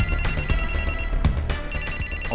oh tapi alis